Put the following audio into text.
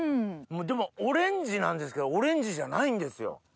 でもオレンジなんですけどオレンジじゃないんですよ。